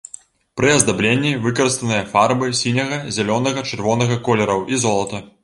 Пры аздабленні выкарыстаныя фарбы сіняга, зялёнага, чырвонага колераў і золата.